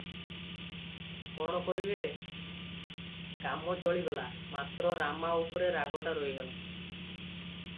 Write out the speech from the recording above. କଣ କରିବେ, କାମ ଚଳିଗଲା; ମାତ୍ର ରାମା ଉପରେ ରାଗଟା ରହିଗଲା ।